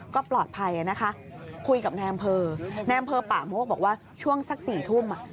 ก็ปลอดภัยนะคะคุยกับนายอำเภอนายอำเภอป่าโมกบอกว่าช่วงสัก๔ทุ่ม